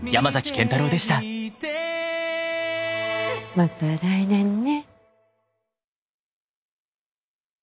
また来年ね。